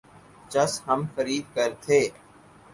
چس ہم خرید کر تھے